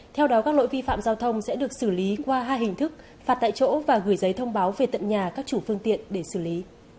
theo đó các lỗi vi phạm giao thông sẽ được xử lý qua hai hình thức phạt tại chỗ và gửi giấy thông báo về tận nhà các chủ phương tiện để xử lý